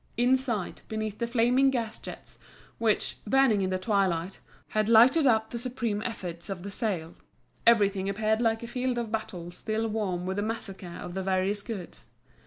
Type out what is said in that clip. Inside, beneath the flaming gas jets, which, burning in the twilight, had lighted up the supreme efforts of the sale, everything appeared like a field of battle still warm with the massacre of the various goods.